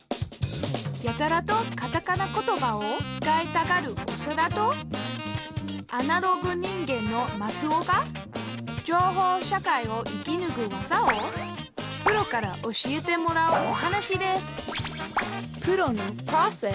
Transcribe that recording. やたらとカタカナ言葉を使いたがるオサダとアナログ人間のマツオが情報社会を生きぬく技をプロから教えてもらうお話です